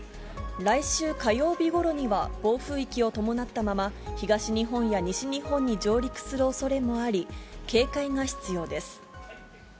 来週火曜日ごろには、暴風域を伴ったまま、東日本や西日本に上陸するおそれもあり、警戒が必要です。